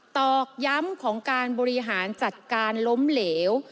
ตอกย้ำของการบริหารจัดการล้มเหลว